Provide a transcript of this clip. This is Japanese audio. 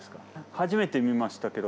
初めて見ましたけど。